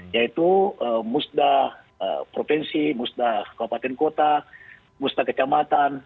yaitu musnah provinsi musnah kabupaten kota musnah kecamatan